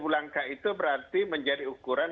satu langkah itu berarti menjadi ukuran